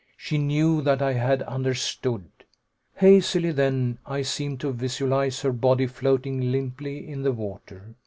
She knew that I had understood. Hazily, then, I seemed to visualize her body floating limply in the water.